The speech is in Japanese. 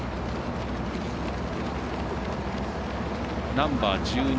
ナンバー１２